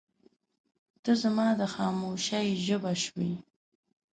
• ته زما د خاموشۍ ژبه شوې.